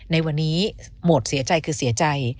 ในวันนี้โหมดเสียใจคือเสียใจ